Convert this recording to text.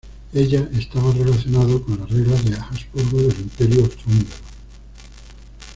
Ella estaba relacionado con las reglas de Habsburgo del Imperio Austro-Húngaro.